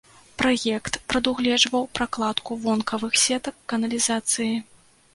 Праект прадугледжваў пракладку вонкавых сетак каналізацыі.